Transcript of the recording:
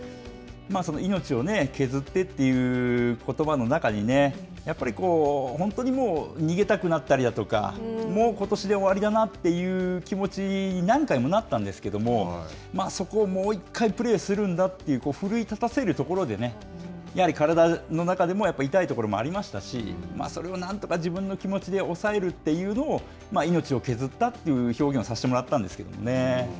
命を削ってということばの中に、やっぱり本当にもう、逃げたくなったりだとか、ことしで終わりだなという気持ちに何回もなったんですけれども、そこをもう一回プレーするんだという、奮い立たせるところで、やはり体の中でも、痛いところもありましたし、それをなんとか自分の気持ちで抑えるというのを命を削ったという表現をさせてもらったんですけどね。